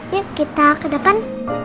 yuk kita ke depan